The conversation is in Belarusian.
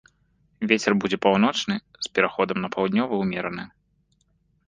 Вецер будзе паўночны з пераходам на паўднёвы ўмераны.